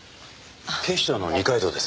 警視庁の二階堂です。